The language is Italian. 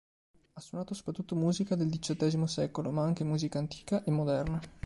Ha suonato soprattutto musica del diciottesimo secolo, ma anche musica antica e moderna.